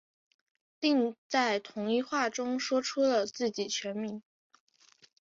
另在同一话中说出了自己全名。